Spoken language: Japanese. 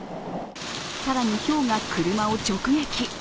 更にひょうが車を直撃。